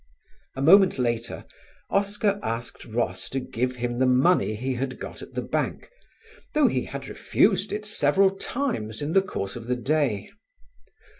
A moment later Oscar asked Ross to give him the money he had got at the bank, though he had refused it several times in the course of the day.